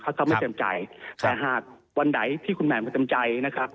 ถ้าเขาไม่เต็มใจแต่หากวันไหนที่คุณแหม่มประจำใจนะครับ